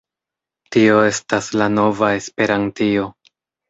Tio estas la nova Esperantio.